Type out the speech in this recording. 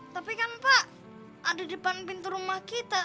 tapi kan pak ada depan pintu rumah kita